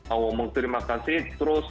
aku omong terima kasih terus